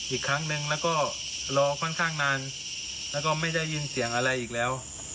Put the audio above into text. อีกครั้งนึงแล้วก็รอค่อนข้างนานแล้วก็ไม่ได้ยินเสียงอะไรอีกแล้ว